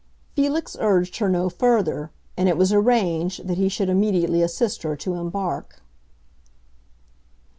Felix urged her no further, and it was arranged that he should immediately assist her to embark.